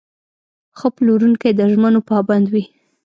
ښه پلورونکی د ژمنو پابند وي.